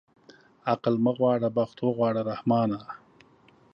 عقل مه غواړه بخت اوغواړه رحمانه.